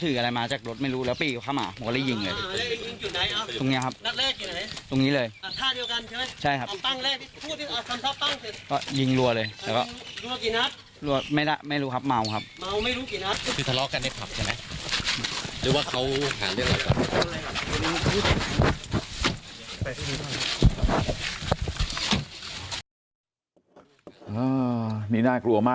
นี่น่ากลัวมากนะครับ